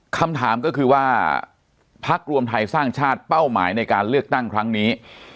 คำถามก็คือว่าพักรวมไทยสร้างชาติเป้าหมายในการเลือกตั้งครั้งนี้